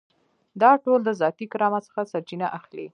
دا ټول د ذاتي کرامت څخه سرچینه اخلي.